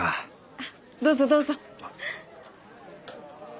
あっどうぞどうぞ。